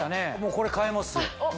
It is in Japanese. これ買いますよ。